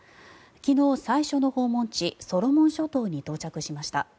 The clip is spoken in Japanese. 昨日、最初の訪問地ソロモン諸島に到着しました。